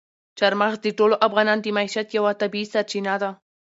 چار مغز د ټولو افغانانو د معیشت یوه طبیعي سرچینه ده.